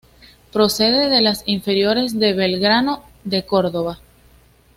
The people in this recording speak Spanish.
Procede de las inferiores de Belgrano de Córdoba.